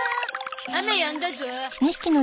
雨やんだゾ。